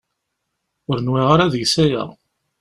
Ur nwiɣ ara deg-s aya.